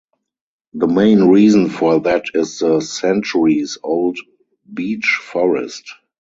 The main reason for that is the centuries old beech forest.